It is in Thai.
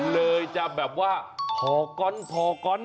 เลยจะแบบว่าพอก๊อนพอก้อน